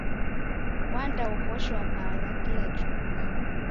Wandaoghoshwa bagha kila juma.